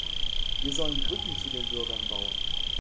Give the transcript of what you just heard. Wir sollen Brücken zu den Bürgern bauen.